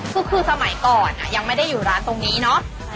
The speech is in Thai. คือสมัยก่อนยังไม่ได้อยู่ร้านตรงนี้เนาะ